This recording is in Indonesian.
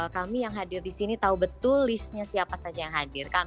kami yang hadir di sini tahu betul listnya siapa saja yang hadir